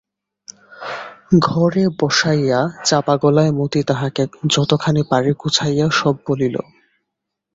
ঘরে বসাইয়া চাপাগলায় মতি তাহাকে যতখানি পারে গুছাইয়া সব বলিল।